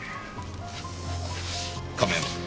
亀山君。